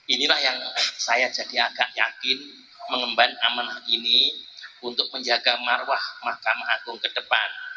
inilah yang saya jadi agak yakin mengemban amanah ini untuk menjaga marwah mahkamah agung ke depan